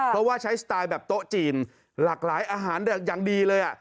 เพราะว่าใช้สไตล์แบบโต๊ะจีนหลากหลายอาหารอย่างดีเลย